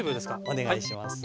お願いします。